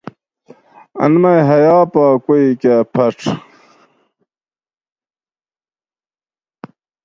ان مئ حیا پا کُووئ کہۤ پِھیڄ